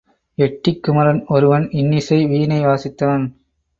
எட்டி குமரன், ஒருவன் இன்னிசை வீணை வாசித்தான்.